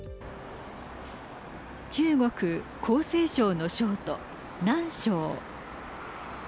中国・江西省の省都・南昌。